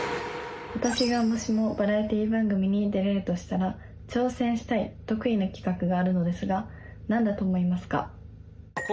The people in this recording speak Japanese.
私がもしもバラエティ番組に出れるとしたら挑戦したい得意な企画があるのですが何だと思いますか？